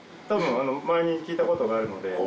たぶん前に聞いたことがあるので。